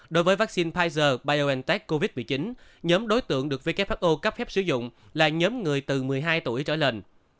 đối với vaccine pfizer biontech covid một mươi chín nhóm đối tượng được who cấp phép sử dụng là nhóm người từ một mươi hai tuổi trở lên